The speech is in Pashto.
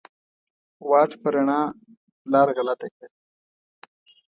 واټ په روڼا لار غلطه کړه